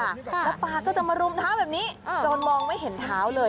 แล้วปากก็จะมารุมเท้าแบบนี้จนมองไม่เห็นเท้าเลย